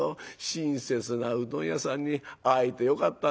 親切なうどん屋さんに会えてよかったねえ。